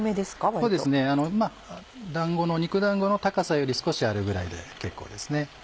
そうですね肉だんごの高さより少しあるぐらいで結構です。